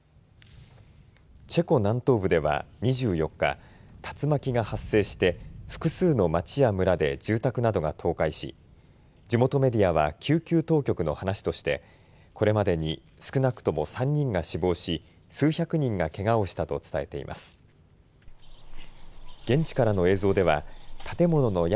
チェコ南東部では２４日、竜巻が発生して複数の町や村で住宅などが倒壊し地元メディアは救急当局の話としてこれまでに少なくとも３人が死亡し、数百人がけがをしたと伝えています。